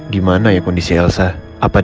dimananya kondisi elsarand